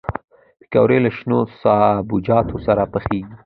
پکورې له شنو سابهجاتو سره پخېږي